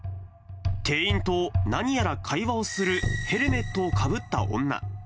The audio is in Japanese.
店員と何やら会話をするヘルメットをかぶった女。